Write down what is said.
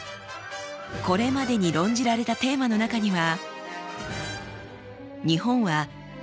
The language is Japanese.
これまでに論じられたテーマの中には。